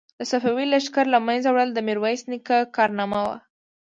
د صفوي لښکر له منځه وړل د میرویس نیکه کارنامه وه.